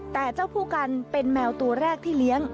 แต่เจ้าผู้กันเป็นแมวตัวแรกที่เลี้ยง